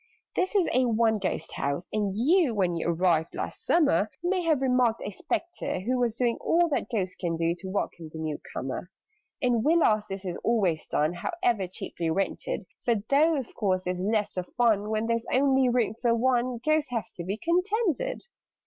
"This is a 'one ghost' house, and you When you arrived last summer, May have remarked a Spectre who Was doing all that Ghosts can do To welcome the new comer. "In Villas this is always done However cheaply rented: For, though of course there's less of fun When there is only room for one, Ghosts have to be contented.